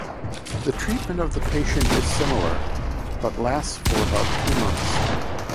The treatment of the patient is similar, but lasts for about two months.